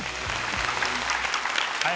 はい。